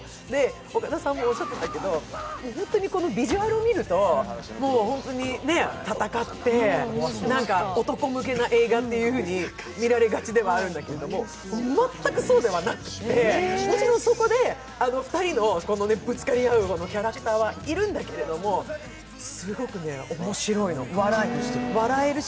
岡田さんもおっしゃってたけど、ビジュアルを見ると、戦って、なんか男向けな映画っていうふうに見られがちなんだけど全くそうではなくて、もちろんそこで２人のぶつかり合うキャラクターはいるんだけども、すごく面白いの、笑えるし。